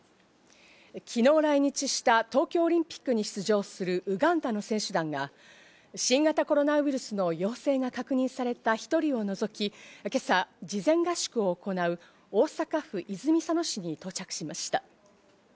昨日、来日した東京オリンピックに出場するウガンダの選手団が新型コロナウイルスの陽性が確認された１人を除き、今朝、事前合宿を行う大阪府泉佐野市に到着しました。